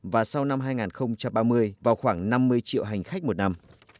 và sau năm hai nghìn ba mươi vào khoảng năm mươi triệu hành khách một năm